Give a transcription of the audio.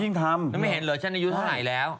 ยังทำฉันไม่เห็นเหรอฉันอายุเท่าไหร่แล้ว